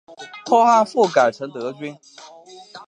后汉复改成德军。